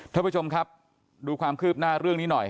ท่านผู้ชมครับดูความคืบหน้าเรื่องนี้หน่อย